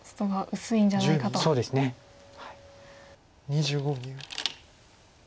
２５秒。